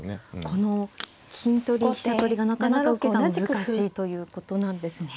この金取り飛車取りがなかなか受けが難しいということなんですね。